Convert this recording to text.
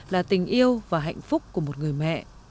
là tình yêu và hạnh phúc của một người mẹ